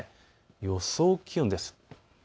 予想気温です。